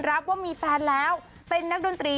รับว่ามีแฟนแล้วเป็นนักดนตรี